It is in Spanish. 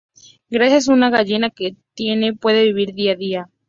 Gracias a una gallina que tiene, puede vivir día a día.